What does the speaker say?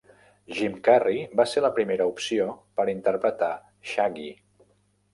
Jim Carrey va ser la primera opció per interpretar Shaggy.